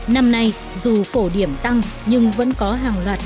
năm nay dù phổ điểm tăng nhưng vẫn có hàng loạt